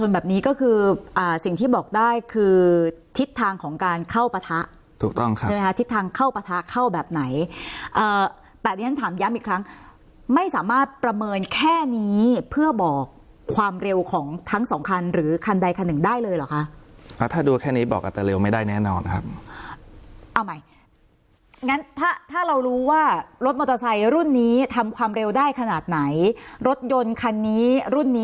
แบบนี้ก็คืออ่าถูกต้องครับใช่ไหมคะทิศทางเข้าปะทะเข้าแบบไหนแต่ที่ฉันถามย้ำอีกครั้งไม่สามารถประเมินแค่นี้เพื่อบอกความเร็วของทั้งสองคันหรือคันใดคันหนึ่งได้เลยเหรอคะถ้าดูแค่นี้บอกอาจจะเร็วไม่ได้แน่นอนครับเอาใหม่งั้นถ้าถ้าเรารู้ว่ารถมอเตอร์ไซค์รุ่นนี้ทำความเร็วได้ขนาดไหนรถยนต์คันนี้รุ่นนี้